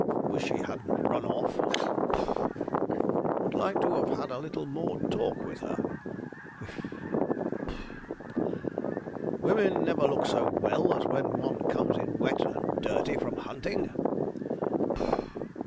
'Wish she hadn't run off (puff); 'would like to have had a little more talk with her' (whiff, puff). 'Women never look so well as when one comes in wet and dirty from hunting' (puff).